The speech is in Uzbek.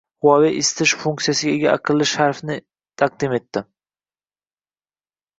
Huawei isitish funksiyasiga ega aqlli sharfni taqdim etdi